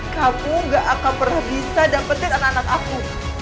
kamu gak akan pernah bisa dapetin anak anak aku